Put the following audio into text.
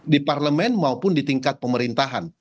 di parlemen maupun di tingkat pemerintahan